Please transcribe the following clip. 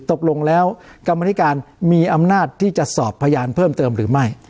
ตกลงแล้วกรรมนิการมีอำนาจที่จะสอบพยานเพิ่มเติมหรือไม่